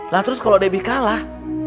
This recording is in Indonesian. lalu kalau debi kalah